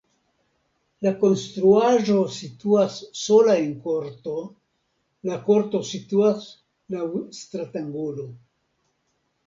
La konstruaĵo situas sola en korto, la korto situas laŭ stratangulo.